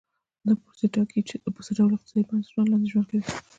دا پروسې ټاکي چې د څه ډول اقتصادي بنسټونو لاندې ژوند کوي.